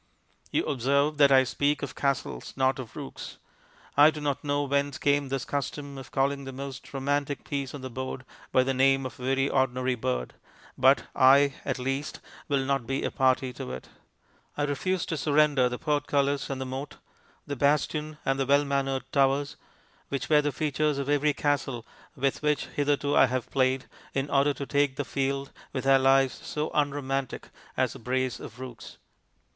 You observe that I speak of castles, not of rooks. I do not know whence came this custom of calling the most romantic piece on the board by the name of a very ordinary bird, but I, at least, will not be a party to it. I refuse to surrender the portcullis and the moat, the bastion and the well manned towers, which were the features of every castle with which hitherto I have played, in order to take the field with allies so unromantic as a brace of rooks.